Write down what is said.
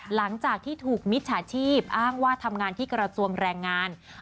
หลังจากที่ถูกมิจฉาชีพอ้างว่าทำงานที่กระทรวงแรงงาน